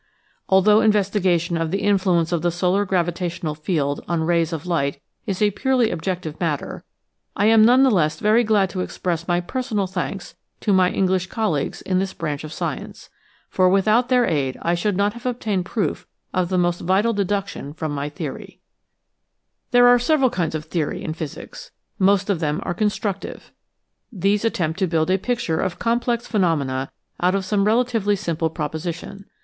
Although investiga tion of the influence of the solar gravitational field on rays of light is a purely objective matter, I am none the less very glad to express my personal thanks to my English colleagues in this branch of science ; for without their aid I should not have obtained proof of the most vital deduction from my theory. 110 EASY LESSONS IN EINSTEIN There are several kinds of theory in Physics. Most of them are constructive. These attempt to build a picture of complex phenomena out of some relatively simple proposition.